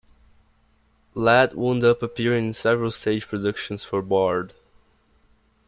Ladd wound up appearing in several stage productions for Bard.